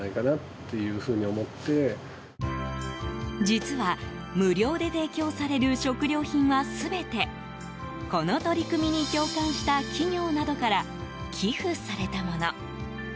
実は無料で提供される食料品は全てこの取り組みに共感した企業などから寄付されたもの。